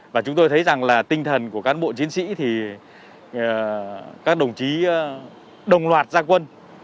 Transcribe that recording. và chúng tôi thấy rằng là tinh thần của cán bộ chiến sĩ thì các đồng chí đồng loạt gia quân